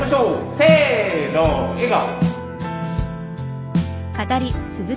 せの笑顔。